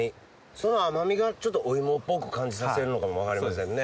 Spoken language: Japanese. その甘みがちょっとお芋っぽく感じさせるのかも分かりませんね。